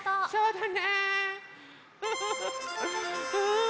そうだね。